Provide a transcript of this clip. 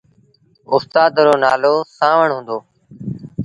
اُستآد رو نآلو سآݩوڻ هُݩدو۔